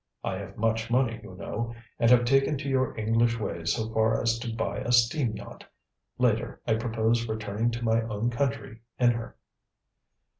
I have much money, you know, and have taken to your English ways so far as to buy a steam yacht. Later, I propose returning to my own country in her."